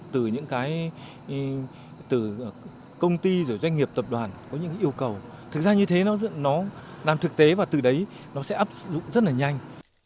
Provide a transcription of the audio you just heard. từ những cái từ công ty doanh nghiệp tập đoàn có những yêu cầu thực ra như thế nó làm thực tế và từ đấy nó sẽ áp dụng rất là nhanh